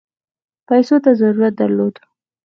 پیسو ته ضرورت درلود.